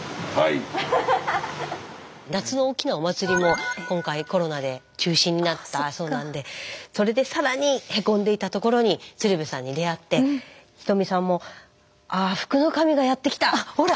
夏の大きなお祭りも今回コロナで中止になったそうなんでそれで更にへこんでいたところに鶴瓶さんに出会ってひとみさんも「ああ」あっほら！